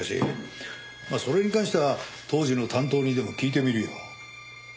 まあそれに関しては当時の担当にでも聞いてみるよ。